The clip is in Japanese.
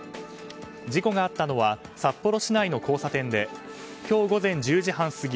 事故があったのは札幌市内の交差点で今日午前１０時半過ぎ